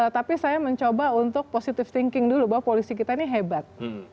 tapi saya mencoba untuk positive thinking dulu bahwa polisi kita ini hebat